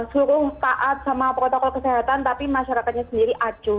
seluruh taat sama protokol kesehatan tapi masyarakatnya sendiri atuh